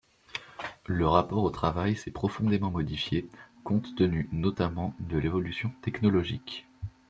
Le rapport au travail s’est profondément modifié, compte tenu notamment de l’évolution technologique.